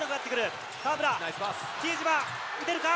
河村、比江島、打てるか？